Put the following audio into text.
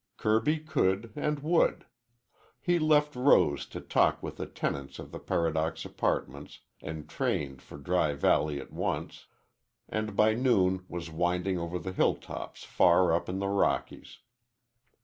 Kirby could and would. He left Rose to talk with the tenants of the Paradox Apartments, entrained for Dry Valley at once, and by noon was winding over the hilltops far up in the Rockies.